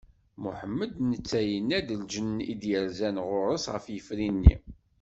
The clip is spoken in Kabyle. Muḥemmed netta yenna d lǧenn i d-yerzan ɣur-s ɣer yifri-nni.